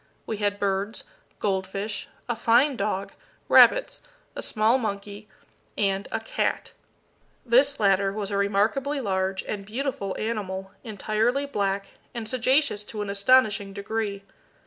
We had birds, gold fish, a fine dog, rabbits, a small monkey, and a cat. This latter was a remarkably large and beautiful animal, entirely black, and sagacious to an astonishing degree.